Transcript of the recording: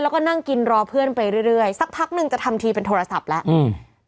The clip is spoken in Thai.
แล้วก็นั่งกินรอเพื่อนไปเรื่อยเรื่อยสักพักหนึ่งจะทำทีเป็นโทรศัพท์แล้วอืม